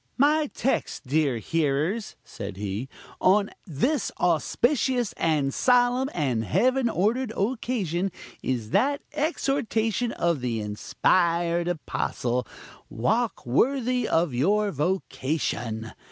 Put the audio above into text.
"My text, dear hearers," said he, "on this auspicious, and solemn, and heaven ordered occasion, is that exhortation of the inspired apostle, 'Walk worthy of your vocation.'